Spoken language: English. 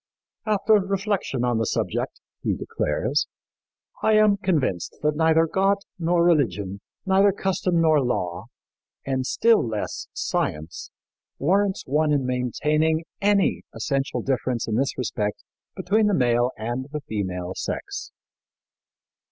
"After reflection on the subject," he declares, "I am convinced that neither God nor religion, neither custom nor law, and still less science, warrants one in maintaining any essential difference in this respect between the male and the female sex."